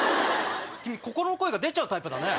君心の声が出ちゃうタイプだね。